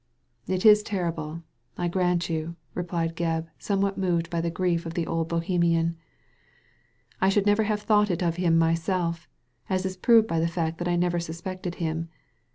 " It is terrible, I grant you," replied Gebb, some what moved by the grief .of the old Bohemiaa ^ I should never have thought it of him myself, as is proved by the fact that I never suspected him.